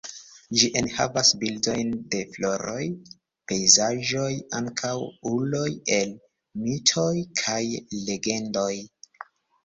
Ĝi enhavas bildojn de floroj, pejzaĝoj ankaŭ uloj el mitoj kaj legendoj.